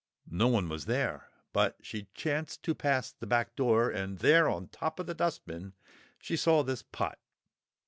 No one was there, but she chanced to pass the back door, and there on the top of the dustbin she saw this pot.